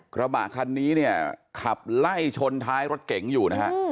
กระบะคันนี้เนี่ยขับไล่ชนท้ายรถเก๋งอยู่นะฮะ